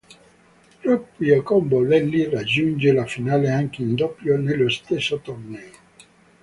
Proprio con Bolelli raggiunge la finale anche in doppio nello stesso torneo.